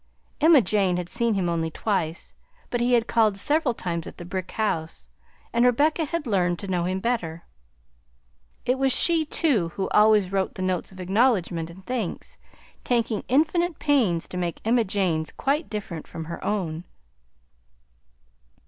Emma Jane had seen him only twice, but he had called several times at the brick house, and Rebecca had learned to know him better. It was she, too, who always wrote the notes of acknowledgment and thanks, taking infinite pains to make Emma Jane's quite different from her own.